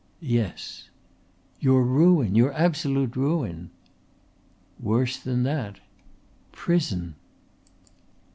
"Yes." "Your ruin. Your absolute ruin." "Worse than that." "Prison!"